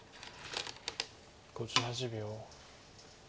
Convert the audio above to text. ５８秒。